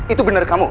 itu bener kamu